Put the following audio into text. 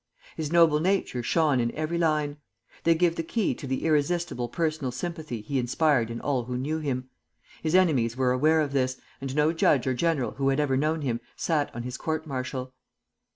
His noble nature shone in every line. They give the key to the irresistible personal sympathy he inspired in all who knew him. His enemies were aware of this, and no judge or general who had ever known him sat on his court martial.